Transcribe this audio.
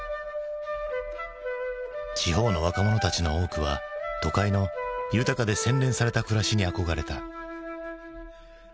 地方の若者たちの多くは都会の豊かで洗練された暮らしに憧れた。